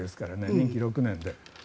任期６年で。